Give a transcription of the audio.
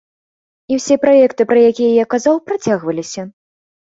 І ўсе праекты, пра якія я казаў, працягваліся.